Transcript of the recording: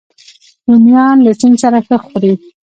رومیان له سیند سره ښه خوري